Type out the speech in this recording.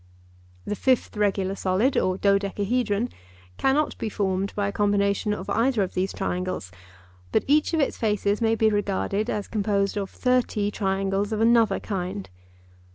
The fifth regular solid, or dodecahedron, cannot be formed by a combination of either of these triangles, but each of its faces may be regarded as composed of thirty triangles of another kind.